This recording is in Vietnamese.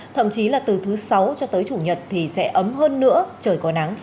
thậm chí là từ thứ sáu cho tới chủ nhật thì sẽ ấm hơn nữa trời có nắng